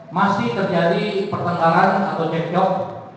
masih terjadi pertentangan atau jenis perang